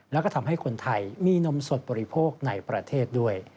แล้วก็ทำให้คนไทยมีนมสดบริโภคในประเทศด้วย